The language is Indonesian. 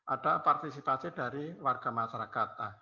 ada partisipasi dari warga masyarakat